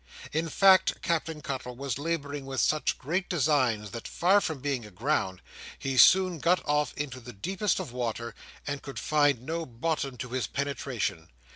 In fact, Captain Cuttle was labouring with such great designs, that far from being aground, he soon got off into the deepest of water, and could find no bottom to his penetration.